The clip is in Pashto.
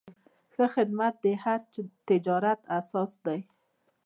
ښه خدمت د هر تجارت اساس دی.